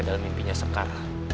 dalam mimpinya sekarang